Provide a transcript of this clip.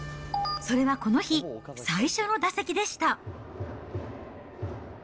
それはこの日最初の打席でした。